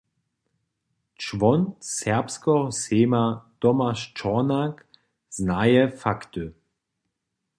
Čłon Serbskeho sejma Tomaš Čornak znaje fakty.